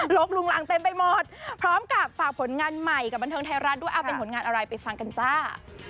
ลุงรังเต็มไปหมดพร้อมกับฝากผลงานใหม่กับบันเทิงไทยรัฐด้วยเอาเป็นผลงานอะไรไปฟังกันจ้า